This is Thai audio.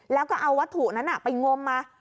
แล้วก็เอาวัตถุนั้นไปงมมา